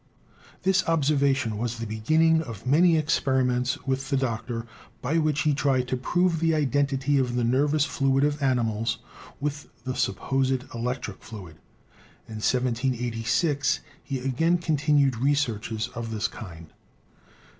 This observation was the beginning of many experi ments with the doctor by which he tried to prove the identity of the nervous fluid of animals with the supposed electric fluid. In 1786 he again continued researches of this kind.